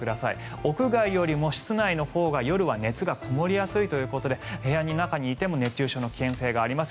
屋外よりも室内のほうが夜は熱がこもりやすいということで部屋の中にいても熱中症の危険性があります。